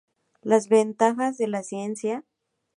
Las ventajas de la ciencia